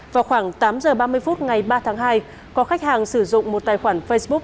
vào khoảng tám h ba mươi phút ngày ba tháng hai có khách hàng sử dụng một tài khoản facebook